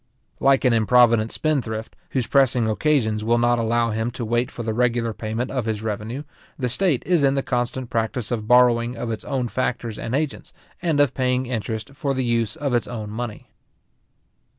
Like an improvident spendthrift, whose pressing occasions will not allow him to wait for the regular payment of his revenue, the state is in the constant practice of borrowing of its own factors and agents, and of paying interest for the use of its own money.